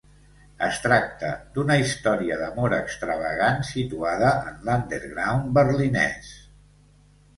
Es tracta d'una història d'amor extravagant situada en l'underground berlinès.